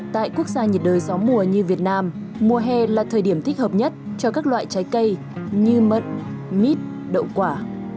tại quốc gia nhiệt đời gió mùa như việt nam mùa hè là thời điểm thích hợp nhất cho các loại trái cây như mận mít đậu quả